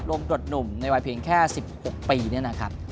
มดหนุ่มในวัยเพียงแค่๑๖ปีเนี่ยนะครับ